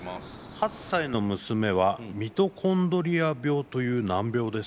「８歳の娘はミトコンドリア病という難病です」。